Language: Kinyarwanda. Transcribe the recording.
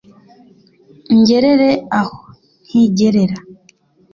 Ungerere aho ntigerera